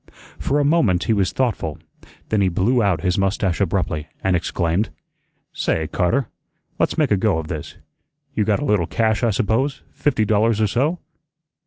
For a moment he was thoughtful, then he blew out his mustache abruptly, and exclaimed: "Say, Carter, le's make a go of this. You got a little cash I suppose fifty dollars or so?"